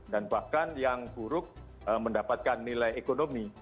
dan bahkan yang buruk mendapatkan nilai ekonomi